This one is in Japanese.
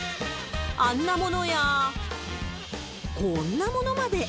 あんなものやこんなものまで。